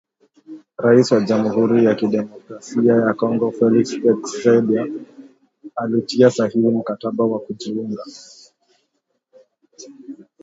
Rais wa Jamuhuri ya kidemokrasia ya Kongo ,Felix Tchisekedi alitia sahihi mkataba wa kujiunga